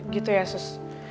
gitu ya sus